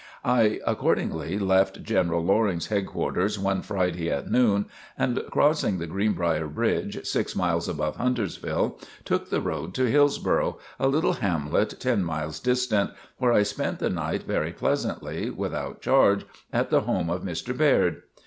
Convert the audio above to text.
I accordingly left General Loring's headquarters one Friday at noon, and crossing the Greenbrier Bridge, six miles above Huntersville, took the road to Hillsboro, a little hamlet ten miles distant, where I spent the night very pleasantly, without charge, at the home of Mr. Baird.